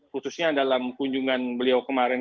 khususnya dalam kunjungan beliau kemarin